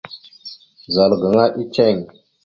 Zal gaŋa eceŋ.